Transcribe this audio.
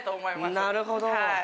なるほど。